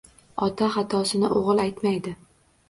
Ota xatosini o’g’il aytmaydi